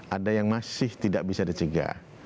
ada yang masih tidak bisa dicegah